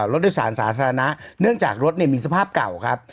รถโดยสารสาธารณะเนื่องจากรถมีสภาพเก่าครับ